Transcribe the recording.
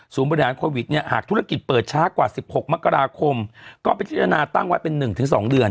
สูงบริหารโควิดเนี้ยหากธุรกิจเปิดช้ากว่าสิบหกมกราคมก็ไปพิจารณาตั้งไว้เป็นหนึ่งถึงสองเดือน